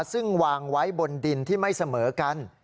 ซึ่งวางไว้บนดินที่ไม่เสมอกัน